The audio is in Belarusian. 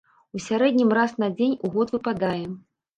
У сярэднім раз на дзень у год выпадае.